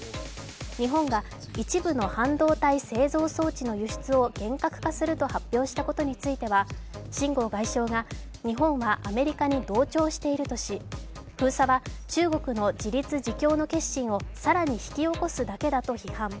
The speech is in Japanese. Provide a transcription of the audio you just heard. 日本が一部の半導体製造装置の輸出を厳格化すると発表したことについては、秦剛外相が日本はアメリカに同調しているとし、封鎖は中国の自立自強の決心を更に引き起こすだけだと批判。